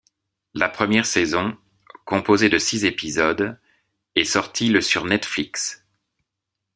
La première saison, composée de six épisodes, est sortie le sur Netflix.